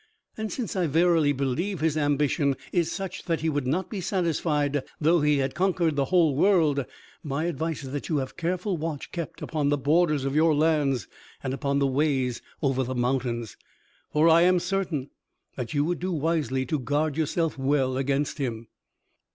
And since I verily believe his ambition is such that he would not be satisfied though he had conquered the whole world, my advice is that you have careful watch kept upon the borders of your lands and upon the ways over the mountains, for I am certain that you would do wisely to guard yourself well against him."